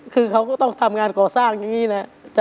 คือเขาก็ต้องทำงานก่อสร้างอย่างนี้แหละ